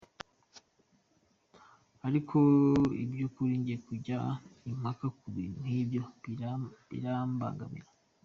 Ariko mu by’ukuri jye kujya impaka ku bintu nk’ibyo birambangamira".